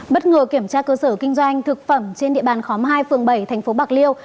bất ngờ kiểm tra cơ sở kinh doanh thực phẩm trên địa bàn khóm hai phường bảy thành phố bạc liêu